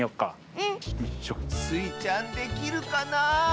うん。スイちゃんできるかなあ？